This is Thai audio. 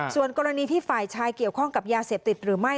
ส่วนกรณีที่ฝ่ายชายเกี่ยวข้องกับยาเสพติดหรือไม่